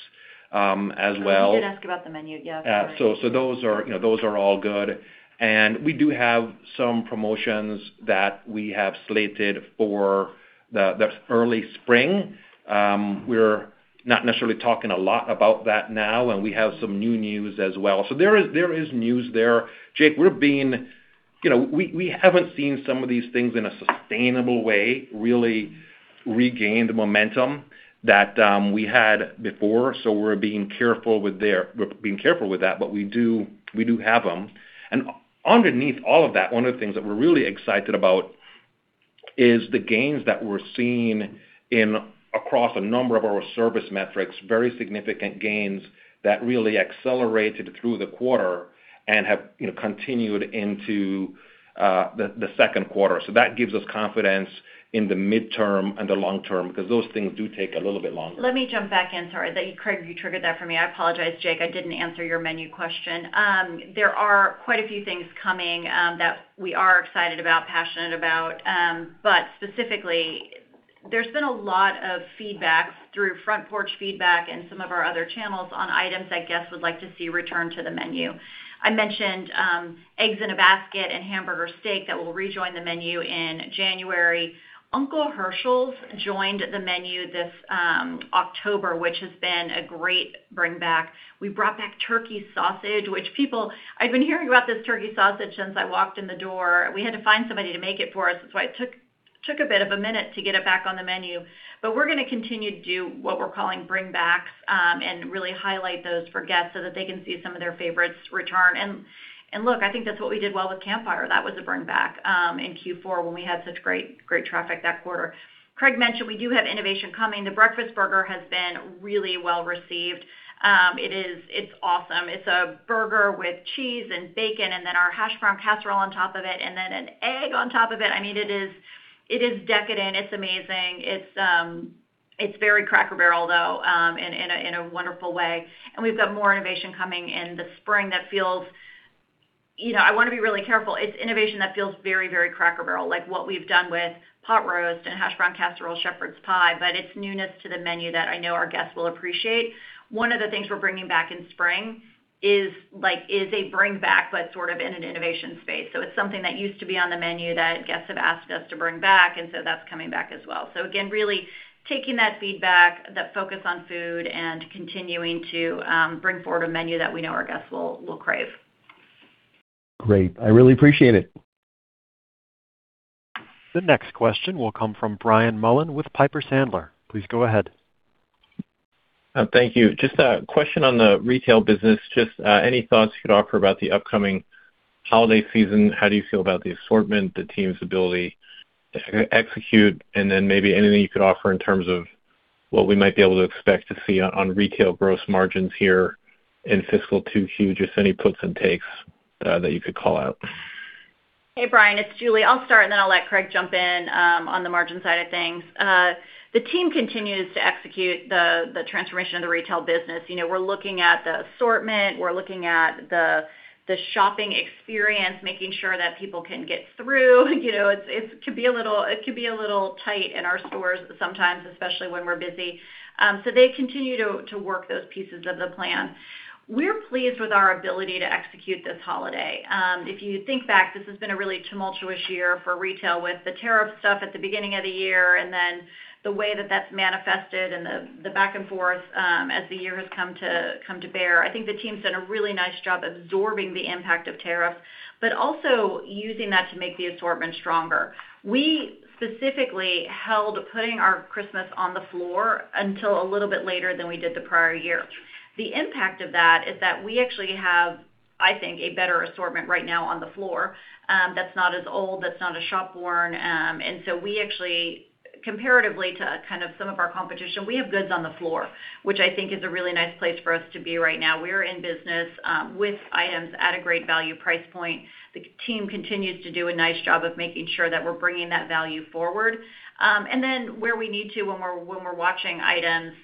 as well. I did ask about the menu. Yeah. So those are all good. And we do have some promotions that we have slated for the early spring. We're not necessarily talking a lot about that now, and we have some new news as well. So there is news there. Jake, we're being - we haven't seen some of these things in a sustainable way really regain the momentum that we had before. So we're being careful with that, but we do have them. Underneath all of that, one of the things that we're really excited about is the gains that we're seeing across a number of our service metrics, very significant gains that really accelerated through the quarter and have continued into the second quarter. That gives us confidence in the mid-term and the long-term because those things do take a little bit longer. Let me jump back in. Sorry, Craig, you triggered that for me. I apologize, Jake. I didn't answer your menu question. There are quite a few things coming that we are excited about, passionate about. Specifically, there's been a lot of feedback through Front Porch Feedback and some of our other channels on items that guests would like to see returned to the menu. I mentioned Eggs in a Basket and Hamburger Steak that will rejoin the menu in January. Uncle Herschel's joined the menu this October, which has been a great Turkey Sausage since i walked in the door. We had to find somebody to make it for us. That's why it took a bit of a minute to get it back on the menu. But we're going to continue to do what we're calling bring-backs and really highlight those for guests so that they can see some of their favorites return. And look, I think that's what we did well with Campfire. That was a bring-back in Q4 when we had such great traffic that quarter. Craig mentioned we do have innovation coming. The Breakfast Burger has been really well received. It's awesome. It's a burger with cheese and bacon, and then our Hashbrown Casserole on top of it, and then an egg on top of it. I mean, it is decadent. It's amazing. It's very Cracker Barrel, though, in a wonderful way. And we've got more innovation coming in the spring that feels. I want to be really careful. It's innovation that feels very, very Cracker Barrel, like what we've done with Pot Roast and Hashbrown Casserole Shepherd's Pie, but it's newness to the menu that I know our guests will appreciate. One of the things we're bringing back in spring is a bring-back, but sort of in an innovation space. So it's something that used to be on the menu that guests have asked us to bring back, and so that's coming back as well. So again, really taking that feedback, that focus on food, and continuing to bring forward a menu that we know our guests will crave. Great. I really appreciate it The next question will come from Brian Mullan with Piper Sandler. Please go ahead. Thank you. Just a question on the retail business. Just any thoughts you could offer about the upcoming holiday season? How do you feel about the assortment, the team's ability to execute, and then maybe anything you could offer in terms of what we might be able to expect to see on retail gross margins here in fiscal 2Q? Just any puts and takes that you could call out. Hey, Brian. It's Julie. I'll start, and then I'll let Craig jump in on the margin side of things. The team continues to execute the transformation of the retail business. We're looking at the assortment. We're looking at the shopping experience, making sure that people can get through. It could be a little tight in our stores sometimes, especially when we're busy. So they continue to work those pieces of the plan. We're pleased with our ability to execute this holiday. If you think back, this has been a really tumultuous year for retail with the tariff stuff at the beginning of the year, and then the way that that's manifested and the back and forth as the year has come to bear. I think the team's done a really nice job absorbing the impact of tariffs, but also using that to make the assortment stronger. We specifically held putting our Christmas on the floor until a little bit later than we did the prior year. The impact of that is that we actually have, I think, a better assortment right now on the floor that's not as old, that's not as shop-worn. And so we actually, comparatively to kind of some of our competition, we have goods on the floor, which I think is a really nice place for us to be right now. We're in business with items at a great value price point. The team continues to do a nice job of making sure that we're bringing that value forward. And then where we need to when we're watching items,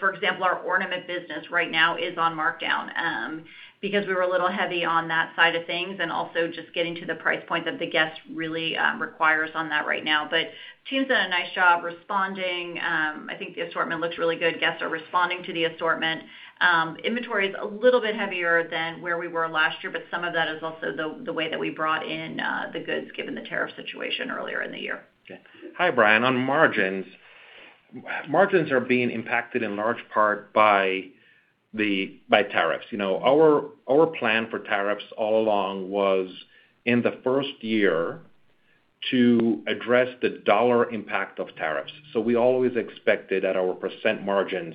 for example, our ornament business right now is on markdown because we were a little heavy on that side of things and also just getting to the price point that the guest really requires on that right now. But the team's done a nice job responding. I think the assortment looks really good. Guests are responding to the assortment. Inventory is a little bit heavier than where we were last year, but some of that is also the way that we brought in the goods given the tariff situation earlier in the year. Okay. Hi, Brian. On margins, margins are being impacted in large part by tariffs. Our plan for tariffs all along was in the first year to address the dollar impact of tariffs. So we always expected that our percent margins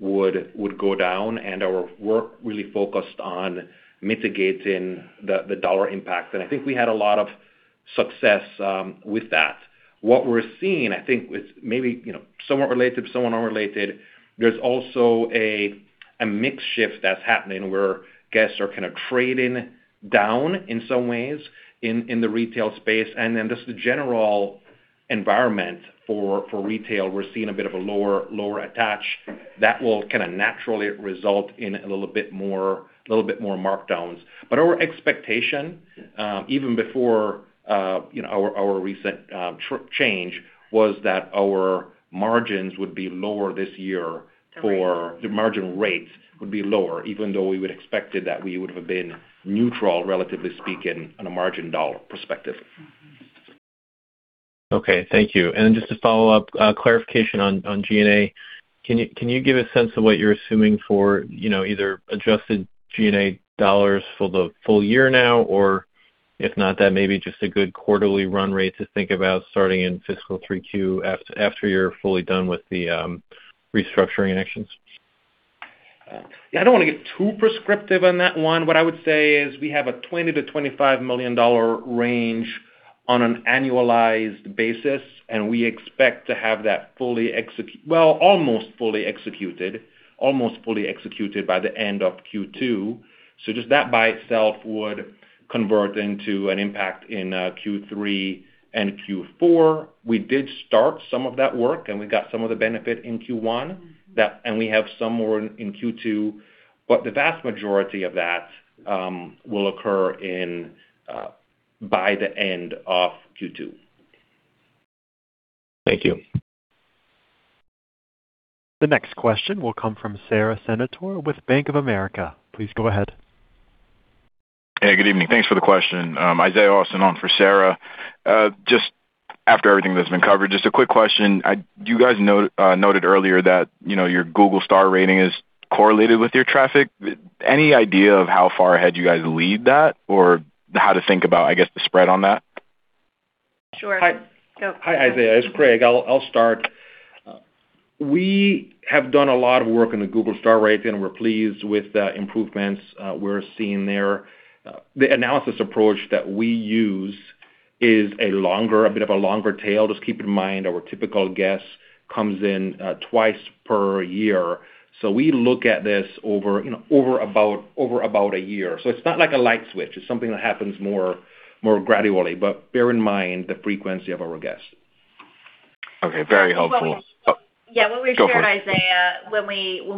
would go down, and our work really focused on mitigating the dollar impact. And I think we had a lot of success with that. What we're seeing, I think, is maybe somewhat related, somewhat unrelated. There's also a mix shift that's happening where guests are kind of trading down in some ways in the retail space. And then just the general environment for retail, we're seeing a bit of a lower attach that will kind of naturally result in a little bit more markdowns. But our expectation, even before our recent change, was that our margins would be lower this year, for the margin rates would be lower, even though we would expect that we would have been neutral, relatively speaking, on a margin dollar perspective. Okay. Thank you. And just to follow-up, clarification on G&A. Can you give a sense of what you're assuming for either adjusted G&A dollars for the full year now, or if not, that may be just a good quarterly run rate to think about starting in fiscal 3Q after you're fully done with the restructuring actions? Yeah. I don't want to get too prescriptive on that one. What I would say is we have a $20 million-$25 million range on an annualized basis, and we expect to have that fully executed, well, almost fully executed, almost fully executed by the end of Q2. So just that by itself would convert into an impact in Q3 and Q4. We did start some of that work, and we got some of the benefit in Q1, and we have some more in Q2. But the vast majority of that will occur by the end of Q2. Thank you. The next question will come from Sara Senatore with Bank of America. Please go ahead. Hey, good evening. Thanks for the question. Isiah Austin on for Sara. Just after everything that's been covered, just a quick question. You guys noted earlier that your Google star rating is correlated with your traffic. Any idea of how far ahead you guys lead that or how to think about, I guess, the spread on that? Sure. Hi, Isiah. It's Craig. I'll start. We have done a lot of work on the Google star rating, and we're pleased with the improvements we're seeing there. The analysis approach that we use is a bit of a longer tail. Just keep in mind our typical guest comes in twice per year. So we look at this over about a year. So it's not like a light switch. It's something that happens more gradually. But bear in mind the frequency of our guests. Okay. Very helpful. Yeah. When we started, Isiah, when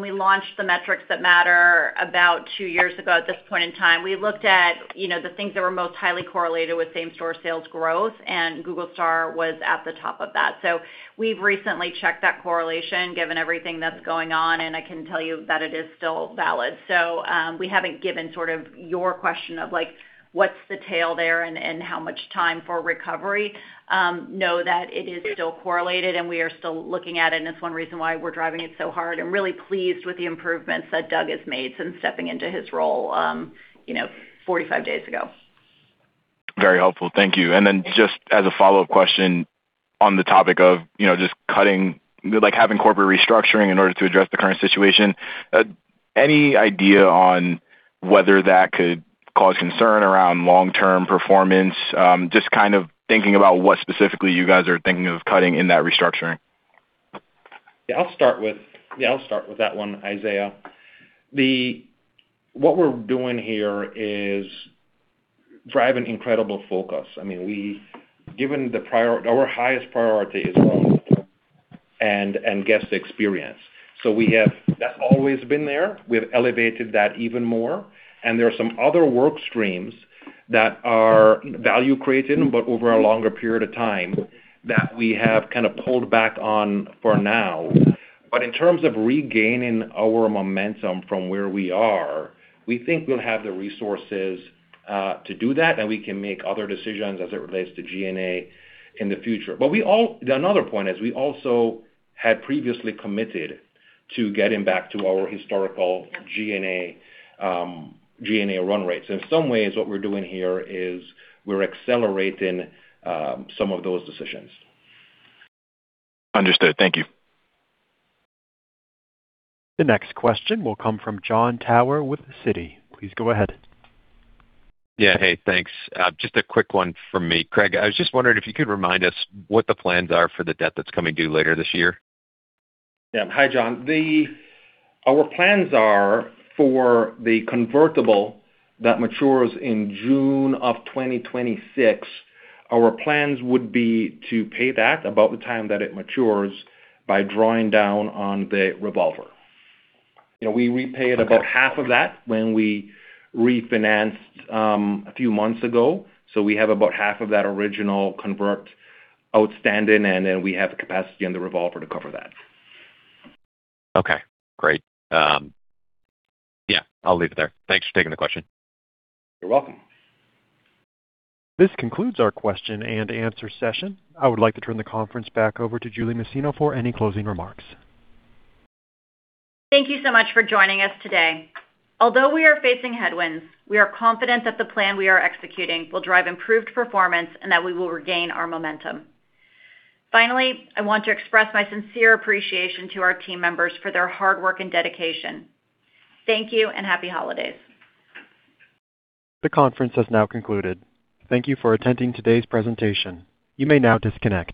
we launched the Metrics That Matter about two years ago at this point in time, we looked at the things that were most highly correlated with same-store sales growth, and Google Star was at the top of that. So we've recently checked that correlation given everything that's going on, and I can tell you that it is still valid. So we haven't given sort of your question of what's the tail there and how much time for recovery. Know that it is still correlated, and we are still looking at it, and it's one reason why we're driving it so hard and really pleased with the improvements that Doug has made since stepping into his role 45 days ago. Very helpful. Thank you. And then just as a follow-up question on the topic of just cutting, having corporate restructuring in order to address the current situation, any idea on whether that could cause concern around long-term performance? Just kind of thinking about what specifically you guys are thinking of cutting in that restructuring. Yeah. I'll start with that one, Isaiah. What we're doing here is driving incredible focus. I mean, given our highest priority is long-term and guest experience. So that's always been there. We have elevated that even more. And there are some other work streams that are value-created, but over a longer period of time that we have kind of pulled back on for now. But in terms of regaining our momentum from where we are, we think we'll have the resources to do that, and we can make other decisions as it relates to G&A in the future. But another point is we also had previously committed to getting back to our historical G&A run rates. In some ways, what we're doing here is we're accelerating some of those decisions. Understood. Thank you. The next question will come from Jon Tower with Citi. Please go ahead. Yeah. Hey, thanks. Just a quick one from me. Craig, I was just wondering if you could remind us what the plans are for the debt that's coming due later this year. Yeah. Hi, Jon. Our plans are for the convertible that matures in June of 2026. Our plans would be to pay that about the time that it matures by drawing down on the revolver. We repaid about half of that when we refinanced a few months ago. So we have about half of that original convert outstanding, and then we have the capacity on the revolver to cover that. Okay. Great. Yeah. I'll leave it there. Thanks for taking the question. You're welcome. This concludes our question and answer session. I would like to turn the conference back over to Julie Masino for any closing remarks. Thank you so much for joining us today. Although we are facing headwinds, we are confident that the plan we are executing will drive improved performance and that we will regain our momentum. Finally, I want to express my sincere appreciation to our team members for their hard work and dedication. Thank you and happy holidays. The conference has now concluded. Thank you for attending today's presentation. You may now disconnect.